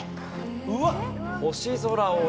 うわっ！